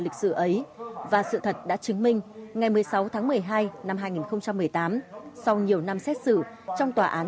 lịch sử ấy và sự thật đã chứng minh ngày một mươi sáu tháng một mươi hai năm hai nghìn một mươi tám sau nhiều năm xét xử trong tòa án